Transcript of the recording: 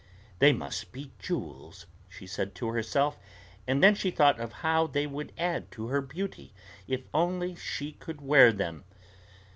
"They must be jewels," she said to herself; and then she thought of how they would add to her beauty if only she could wear them.